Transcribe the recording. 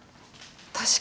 確かに。